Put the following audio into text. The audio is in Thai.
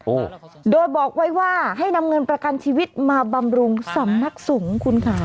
โอ้โดยบอกไว้ว่าให้นำเงินประกันชีวิตมาบำรุงสำนักสงฆ์คุณค่ะ